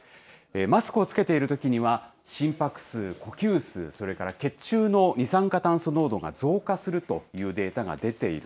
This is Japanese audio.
マスクを着けているときには、心拍数、呼吸数、それから血中の二酸化炭素濃度が増加するというデータが出ている。